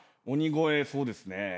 鬼越そうですね。